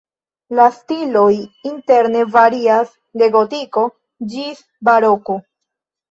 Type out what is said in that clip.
La stiloj interne varias de gotiko ĝis baroko.